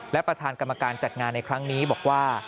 และประธานกรรมการจัดงานในครั้งนี้บอกว่า